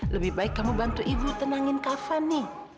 lebih baik kamu bantu ibu tenangin kafan nih